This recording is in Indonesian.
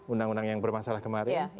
undang undang yang bermasalah kemarin